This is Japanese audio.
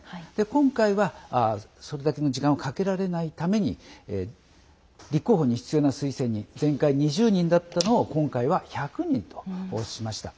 今回は、それだけの時間をかけられないために立候補に必要な推薦人前回２０人だったのを今回は１００人としました。